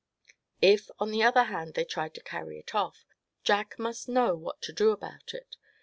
If on the other hand they tried to carry it off, Jack must know what to do about it.